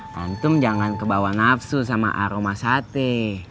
kantum jangan kebawa nafsu sama aroma sate